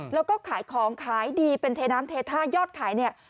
แล้วก็ขายของขายดีเป็นเทน้ำเทท่ายอดขายเนี่ย